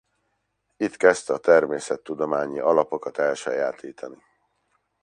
Itt kezdte a természettudományi alapokat elsajátítani.